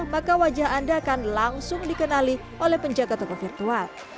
maka wajah anda akan langsung dikenali oleh penjaga toko virtual